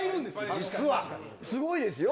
実はすごいですよ